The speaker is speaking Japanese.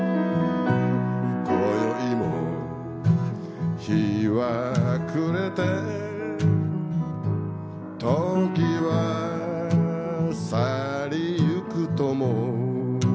今宵も日が昏れて時は去りゆくとも